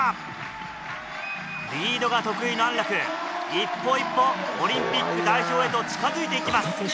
一歩一歩オリンピック代表へと近づいていきます。